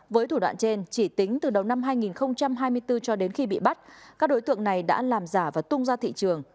với thủ đoạn trên chỉ tính từ đầu năm hai nghìn hai mươi bốn cho đến khi bị bắt các đối tượng này đã làm giả và tung ra thị trường